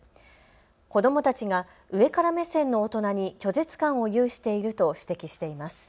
子どもたちが上から目線の大人に拒絶感を有していると指摘しています。